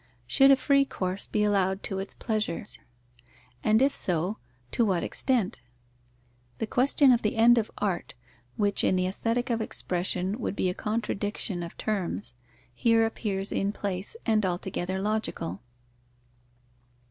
Should a free course be allowed to its pleasures? And if so, to what extent? The question of the end of art, which in the Aesthetic of expression would be a contradiction of terms, here appears in place, and altogether logical.